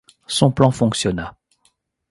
Son plan fonctionna.